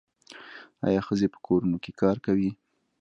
آیا ښځې په کورونو کې کار کوي؟